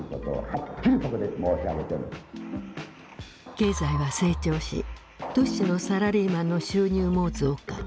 経済は成長し都市のサラリーマンの収入も増加。